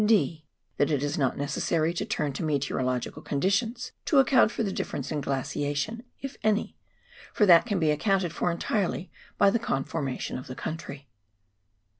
[d) That it is not necessary to turn to meteorological conditions to account for the difference in glaciation, if any, for that can be accounted for entirely by the conformation of the country.